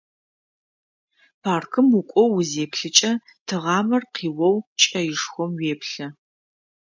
Паркым укӏоу узеплъыкӏэ, тыгъамэр къиоу кӏэишхом уеплъэ.